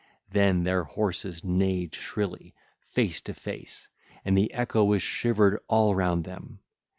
Then their horses neighed shrilly, face to face; and the echo was shivered all round them.